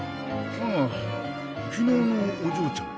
ああ昨日のおじょうちゃんか。